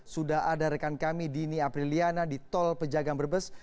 sudah ada rekan kami dini apriliana di tol pejagaan brebes